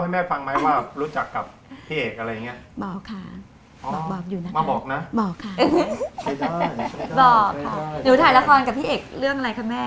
แม่เก่ง